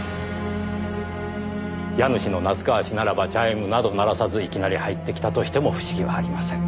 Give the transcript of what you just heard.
家主の夏河氏ならばチャイムなど鳴らさずいきなり入ってきたとしても不思議はありません。